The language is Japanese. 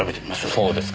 そうですか？